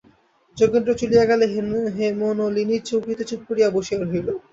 যোগেন্দ্র চলিয়া গেলে হেমনলিনী চৌকিতে চুপ করিয়া বসিয়া রহিল।